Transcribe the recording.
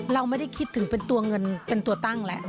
เราไม่ได้คิดถึงเป็นตัวเงินเป็นตัวตั้งแล้ว